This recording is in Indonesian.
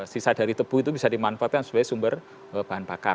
sisa dari tebu itu bisa dimanfaatkan sebagai sumber bahan bakar